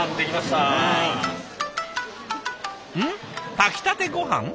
炊きたてごはん？